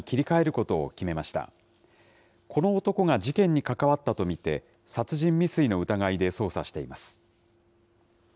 この男が事件に関わったと見て、殺人未遂の疑いで捜査しています。